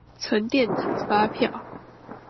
存電子發票